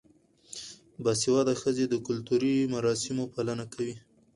باسواده ښځې د کلتوري مراسمو پالنه کوي.